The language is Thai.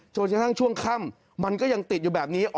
จนกระทั่งช่วงค่ำมันก็ยังติดอยู่แบบนี้